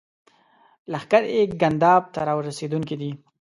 لښکرې ګنداب ته را رسېدونکي دي.